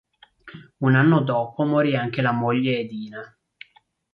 Un anno dopo morì anche la moglie Edina.